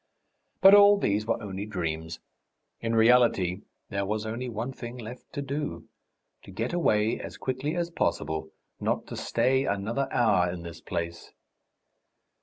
But all these were only dreams, in reality there was only one thing left to do to get away as quickly as possible, not to stay another hour in this place.